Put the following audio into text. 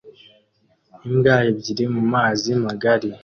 Imbwa ebyiri mumazi magari